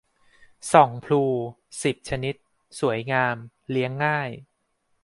ส่องพลู สิบ ชนิด สวยงาม เลี้ยงง่าย